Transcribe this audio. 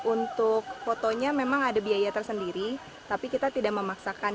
untuk fotonya memang ada biaya tersendiri tapi kita tidak memaksakan